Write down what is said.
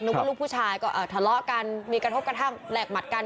ว่าลูกผู้ชายก็ทะเลาะกันมีกระทบกระทั่งแหลกหมัดกัน